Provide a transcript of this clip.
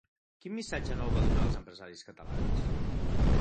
Quin missatge nou va donar als empresaris catalans?